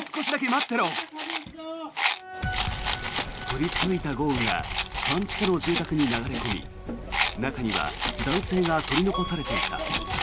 降り続いた豪雨が半地下の住宅に流れ込み中には男性が取り残されていた。